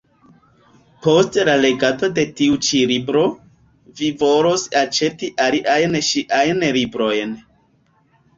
Post la legado de tiu ĉi libro, vi volos aĉeti aliajn ŝiajn librojn.